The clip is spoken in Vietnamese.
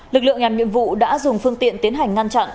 lực lượng làm nhiệm vụ đã dùng phương tiện tiến hành ngăn chặn